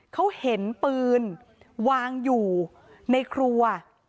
เขาเห็นปืนวางอยู่ในครัว